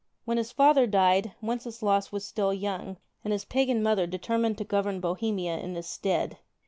When his father died, Wenceslaus was still young, and his pagan mother determined to govern Bohemia in his stead.